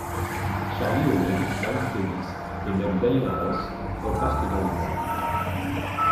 Charlie Oleg, Miles Davis, et même Diana Ross repartent dans les banques.